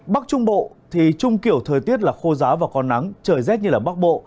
bắc trung bộ thì chung kiểu thời tiết là khô giá và con nắng trời rét như là bắc bộ